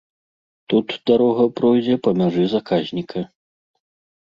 Тут дарога пройдзе па мяжы заказніка.